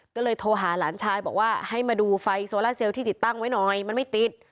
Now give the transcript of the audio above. ก็เลยโทรหาหลานชายบอกว่าให้มาดูไฟโซล่าเซลที่ติดตั้งไว้หน่อยมันไม่ติด